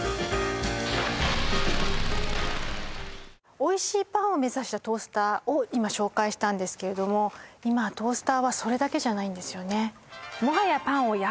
おいしいパンを目指したトースターを今紹介したんですけれども今はトースターはそれだけじゃないんですよね